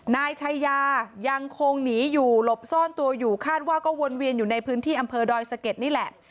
นายชายายังคงหนีอยู่หลบซ่อนตัวอยู่คาดว่าก็วนเวียนอยู่ในพื้นที่อำเภอดอยสะเก็ดนี่แหละ